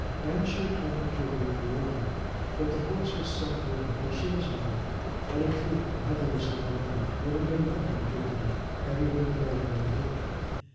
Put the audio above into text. And she attempted to obey the order. But the horse was self willed, and she was light; and in truth the heaviness of the ground would have been nothing to him had he been fairly well ridden.